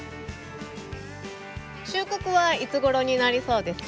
収穫はいつごろになりそうですか？